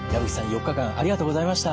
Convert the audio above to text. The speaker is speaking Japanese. ４日間ありがとうございました。